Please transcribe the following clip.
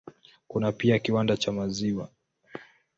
Kuna pia kiwanda cha maziwa.